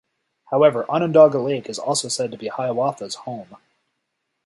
However, Onondaga Lake is also said to be Hiawatha's home.